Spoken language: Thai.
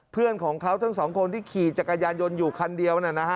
เพื่อนของเขาทั้งสองคนที่ขี่จักรยานยนต์อยู่คันเดียว